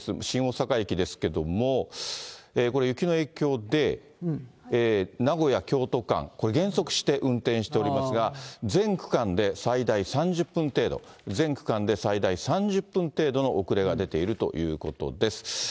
新大阪駅ですけれども、これ、雪の影響で、名古屋・京都間、これ、減速して運転しておりますが、全区間で最大３０分程度、全区間で最大３０分程度の遅れが出ているということです。